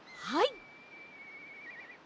はい！